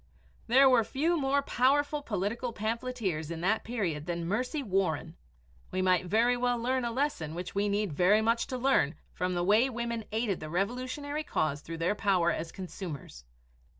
There were few more powerful political pamphleteers in that period than Mercy Warren. We might very well learn a lesson which we need very much to learn from the way women aided the Revolutionary cause through their power as consumers.